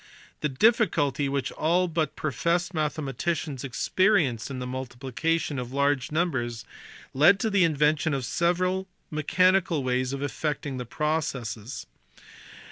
The difficulty which all but professed mathematicians ex perienced in the multiplication of large numbers led to the invention of several mechanical ways of effecting the process.